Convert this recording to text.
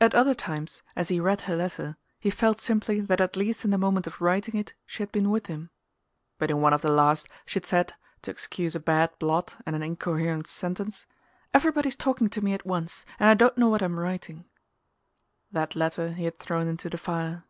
At other times, as he read her letter, he felt simply that at least in the moment of writing it she had been with him. But in one of the last she had said (to excuse a bad blot and an incoherent sentence): "Everybody's talking to me at once, and I don't know what I'm writing." That letter he had thrown into the fire....